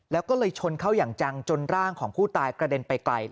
แล้วก็เลยชนเข้าอย่างจังจนร่างของผู้ตายกระเด็นไปไกล